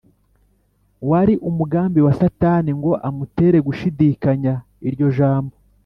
. Wari umugambi wa Satani ngo amutere gushidikanya iryo jambo.